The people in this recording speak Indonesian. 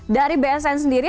dari bsn sendiri